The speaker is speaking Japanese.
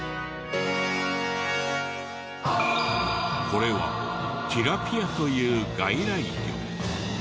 これはティラピアという外来魚。